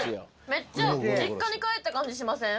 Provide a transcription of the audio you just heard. めっちゃ実家に帰った感じしません？